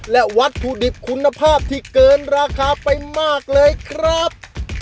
และวัตถุดิบคุณภาพที่เกินราคาไปมากเลยครับ